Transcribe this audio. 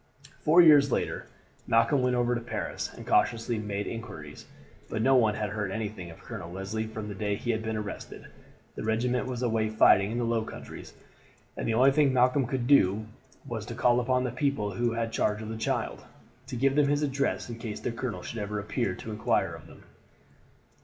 Four years later Malcolm went over to Paris, and cautiously made inquiries; but no one had heard anything of Colonel Leslie from the day he had been arrested. The regiment was away fighting in the Low Countries, and the only thing Malcolm could do was to call upon the people who had had charge of the child, to give them his address in case the colonel should ever appear to inquire of them.